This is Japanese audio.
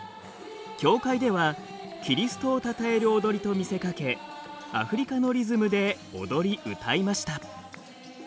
教会ではキリストをたたえる踊りと見せかけアフリカのリズムで踊り歌いました。